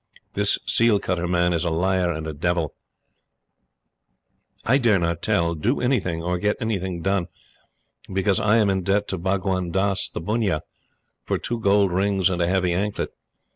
This seal cutter man is a liar and a devil. I dare not tell, do anything, or get anything done, because I am in debt to Bhagwan Dass the bunnia for two gold rings and a heavy anklet.